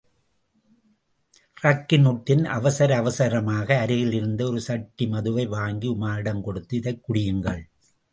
ரக்கின் உட்டின் அவசர அவசரமாக அருகில் இருந்த ஒரு சட்டிமதுவை வாங்கி உமாரிடம் கொடுத்து இதைக் குடியுங்கள்!